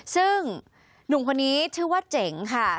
ซึ่งหนุ่มคนนี้ชื่อว่าเจ๋งค่ะ